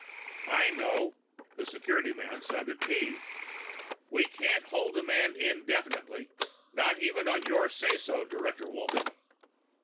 "I know." The security man sounded peeved. "We can't hold a man indefinitely, not even on your say so, Director Walton."